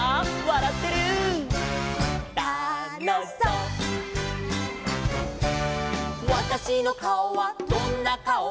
「わたしのかおはどんなかお」